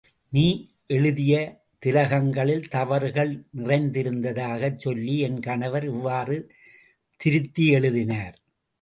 நீ எழுதிய திலகங்களில் தவறுகள் நிறைந்திருந்ததாகச் சொல்லி என் கணவர் இவ்வாறு திருத்தி எழுதினார்.